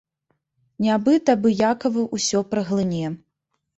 Нябыт абыякава ўсё праглыне.